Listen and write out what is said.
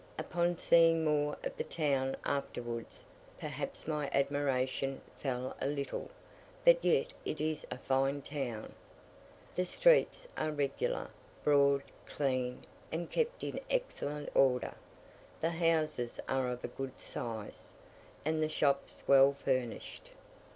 Upon seeing more of the town afterwards, perhaps my admiration fell a little; but yet it is a fine town. The streets are regular, broad, clean, and kept in excellent order; the houses are of a good size, and the shops well furnished.